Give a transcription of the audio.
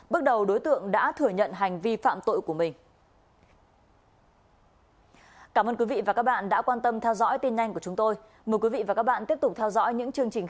bước đầu đối tượng đã thừa nhận hành vi phạm tội của mình